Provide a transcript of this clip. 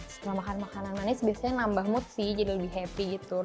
setelah makan makanan manis biasanya nambah mood sih jadi lebih happy gitu